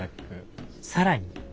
更に。